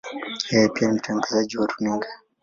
Yeye pia ni mtangazaji wa runinga.